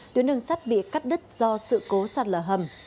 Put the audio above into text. tuyến đường sắt bị cắt đứt do sự cố sạt lở hầm